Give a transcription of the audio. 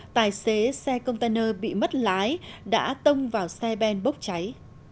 tài xế xe container bị mất lái đã tông vào xe ben bốc cháy